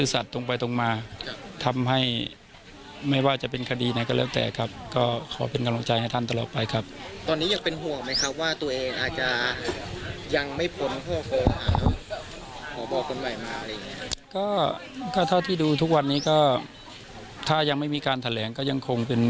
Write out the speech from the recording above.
คุณผู้ชมครับเช่นเดียวกับพ่อและแม่ของ